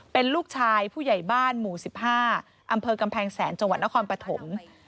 เป็นลูกชายผู้ใหญ่บ้านหมู่๑๕อำเภอกำแพงแสนจังหวัดนครปฐม